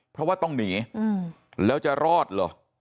เพราะว่าต้องหนีแล้วจะรอดเหรอ